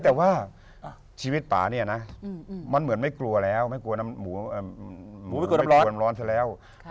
แต่ว่าชีวิตป่าเนี่ยนะมันเหมือนไม่กลัวแล้วไม่กลัวน้ำหมูมันร้อนซะแล้ว